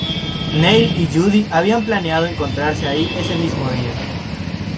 Neil y Judy habían planeado encontrarse ahí ese mismo día.